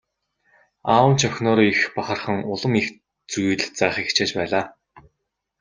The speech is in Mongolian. Аав нь ч охиноороо их бахархан улам их зүйл заахыг хичээж байлаа.